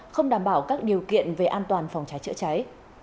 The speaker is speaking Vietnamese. không đảm bảo các điều kiện về an toàn phòng trái chữa trái